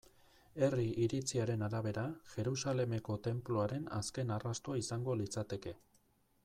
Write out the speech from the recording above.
Herri iritziaren arabera, Jerusalemeko Tenpluaren azken arrastoa izango litzateke.